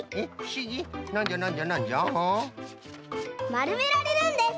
まるめられるんです。